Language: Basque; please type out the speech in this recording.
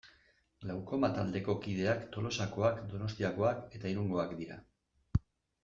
Glaukoma taldeko kideak Tolosakoak, Donostiakoak eta Irungoak dira.